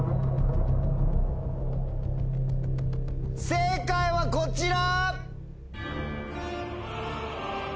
正解はこちら！